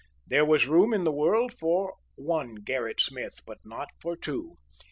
There was room in the world for one Gerrit Smith, but not for two.